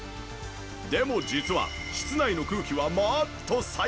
でも実は室内の空気はもっと最悪。